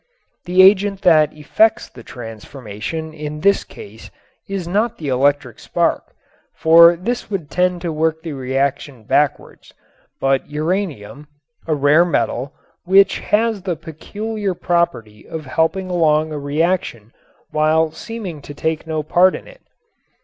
The agent that effects the transformation in this case is not the electric spark for this would tend to work the reaction backwards but uranium, a rare metal, which has the peculiar property of helping along a reaction while seeming to take no part in it.